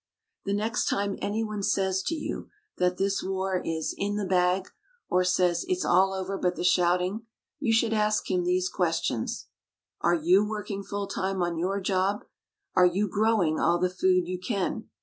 The next time anyone says to you that this war is "in the bag," or says "it's all over but the shouting," you should ask him these questions: "Are you working full time on your job?" "Are you growing all the food you can?"